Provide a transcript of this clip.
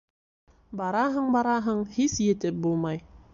Бараһың, бараһың, һис етеп булмай.